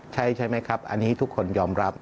ใช่ใช่ไหมครับอันนี้ทุกคนยอมรับ